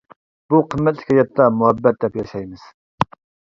بۇ قىممەتلىك ھاياتتا مۇھەببەت دەپ ياشايمىز.